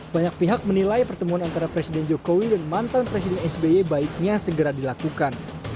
banyak pihak menilai pertemuan antara presiden jokowi dan mantan presiden sby baiknya segera dilakukan